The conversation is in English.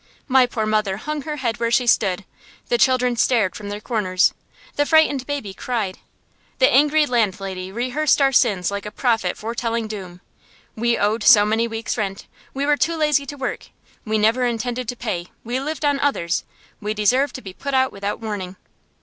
My poor mother hung her head where she stood; the children stared from their corners; the frightened baby cried. The angry landlady rehearsed our sins like a prophet foretelling doom. We owed so many weeks' rent; we were too lazy to work; we never intended to pay; we lived on others; we deserved to be put out without warning.